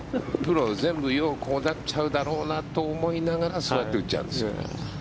全部こうなっちゃうんだろうなと思いながらそうやって打っちゃうんですよ。